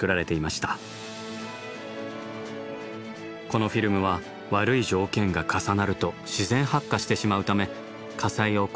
このフィルムは悪い条件が重なると自然発火してしまうためそうなんですか！